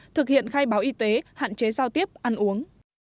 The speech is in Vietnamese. thực hiện khai báo y tế hạn chế giao tiếp ăn uống